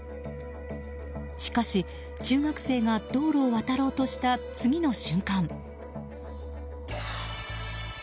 しかし中学生が道路を渡ろうとした次の瞬間。